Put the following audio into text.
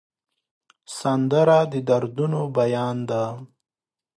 سندره د دردونو بیان ده